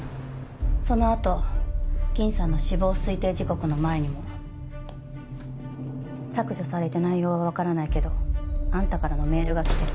そのあと銀さんの死亡推定時刻の前にも削除されて内容はわからないけどあんたからのメールが来てる。